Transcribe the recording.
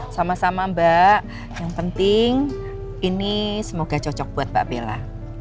sama sama mbak yang penting ini semoga cocok buat mbak bella